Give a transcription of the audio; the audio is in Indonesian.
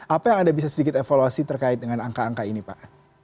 apa yang anda bisa sedikit evaluasi terkait dengan angka angka ini pak